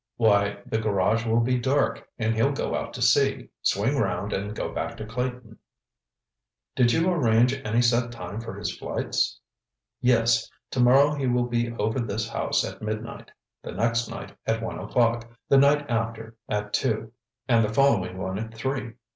"Why, the garage will be dark, and he'll go out to sea, swing round and go back to Clayton." "Did you arrange any set time for his flights?" "Yes. Tomorrow he will be over this house at midnight. The next night at one o'clock. The night after, at two, and the following one at three.